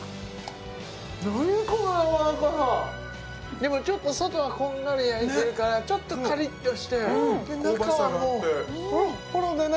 でも外はこんがり焼いてるからちょっとカリッとして中はもうほろっほろでね